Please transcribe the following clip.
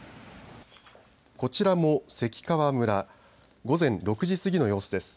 こちらも関川村、午前６時過ぎの様子です。